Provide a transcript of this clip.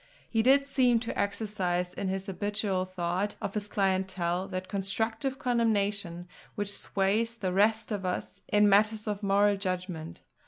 He did seem to exercise in his habitual thought of his clientele that constructive condemnation which sways the rest of us in matters of moral judgment.